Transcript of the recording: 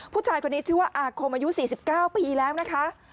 ผู้ชายคนนี้ชื่อว่าอาคมอายุ๔๙ปีแล้วนะคะ